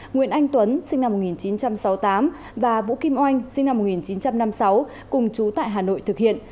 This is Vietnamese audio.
nguyễn anh tuấn sinh năm một nghìn chín trăm sáu mươi tám và vũ kim oanh sinh năm một nghìn chín trăm năm mươi sáu cùng chú tại hà nội thực hiện